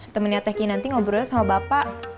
temennya teh kinanti ngobrolnya sama bapak